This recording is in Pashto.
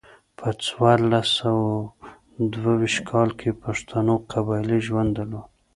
په څوارلس سوه دوه ویشت کال کې پښتنو قبایلي ژوند درلود.